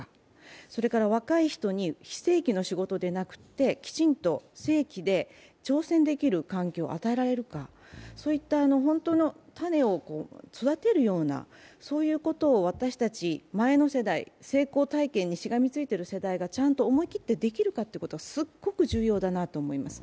それから若い人に非正規の仕事でなくてきちんと正規で挑戦できる環境を与えられるかそういった本当の種を育てるようなことを、私たち、前の世代、成功体験にしがみついている世代がちゃんと思い切ってできるかということは、すごく重要だなと思います。